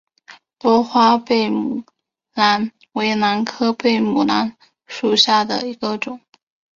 多花贝母兰为兰科贝母兰属下的一个种。